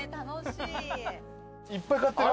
いっぱい買ってる。